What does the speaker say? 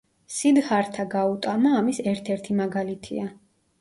სიდჰართა გაუტამა ამის ერთ-ერთი მაგალითია.